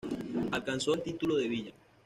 Alcanzó el título de villa.